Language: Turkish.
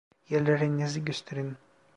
Ellerinizi gösterin.